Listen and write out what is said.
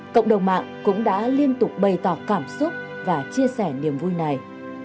cộng đồng mạng cũng đã liên tục bày tỏ cảm xúc và chia sẻ niềm vui này